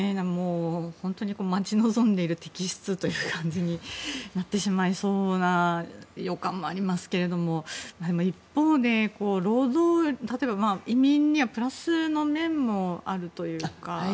本当に待ち望んでいる敵失という感じになってしまいそうな予感もありますが一方で例えば、移民にはプラスの面もあるというか。